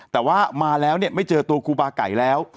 แต่ว่ามาแล้วไม่เจอตัวครูบาไก่แล้ว